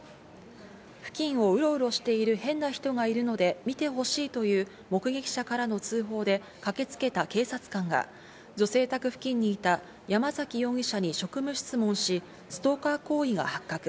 付近をウロウロしている変な人がいるので見てほしいという目撃者からの通報で駆けつけた警察官が女性宅付近にいた山崎容疑者に職務質問し、ストーカー行為が発覚。